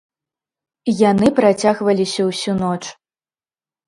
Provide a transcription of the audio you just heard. Яны працягваліся ўсю ноч.